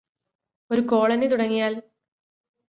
ഒരു കോളനി തുടങ്ങിയാല്